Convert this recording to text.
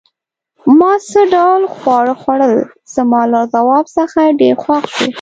ما څه ډول خواړه خوړل؟ زما له ځواب څخه ډېر خوښ شو.